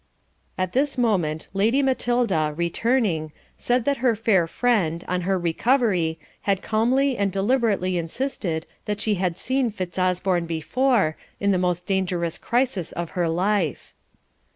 At this moment Lady Matilda, returning, said that her fair friend, on her recovery, had calmly and deliberately insisted that she had seen Fitzosborne before, in the most dangerous crisis of her life.